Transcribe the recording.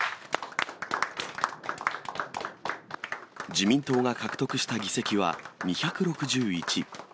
自民党が獲得した議席は２６１。